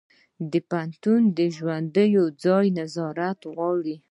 د پوهنتون ژوند د ځان نظارت غواړي.